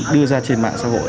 đưa ra trên mạng xã hội